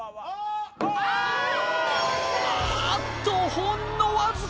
あーっとほんのわずか！